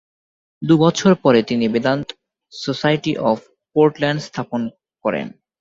দু-বছর পরে তিনি Vedanta society of Portland স্থাপন করেন।